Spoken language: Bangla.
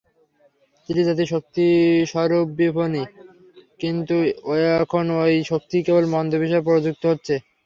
স্ত্রীজাতি শক্তিস্বরূপিণী, কিন্তু এখন ঐ শক্তি কেবল মন্দ বিষয়ে প্রযুক্ত হচ্ছে।